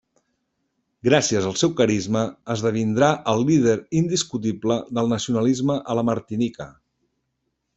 Gràcies al seu carisma esdevindrà el líder indiscutible del nacionalisme a la Martinica.